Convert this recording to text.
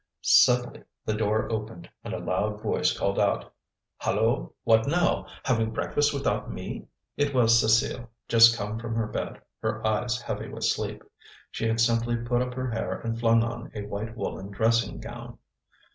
Suddenly the door opened, and a loud voice called out: "Hallo! What now? Having breakfast without me!" It was Cécile, just come from her bed, her eyes heavy with sleep. She had simply put up her hair and flung on a white woollen dressing gown.